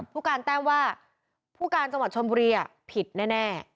ผู้การแต้มว่าผู้การจังหวัดชนบุรีผิดแน่